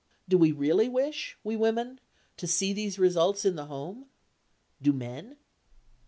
Do we really wish, we women, to see these results in the home? Do men?